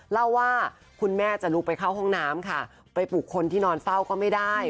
เล่าว่าคุณแม่จะลุกไปเข้าห้องน้ำค่ะไปปลุกคนที่นอนเฝ้าก็ไม่ได้